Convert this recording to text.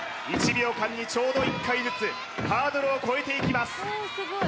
１秒間にちょうど１回ずつハードルを越えていきます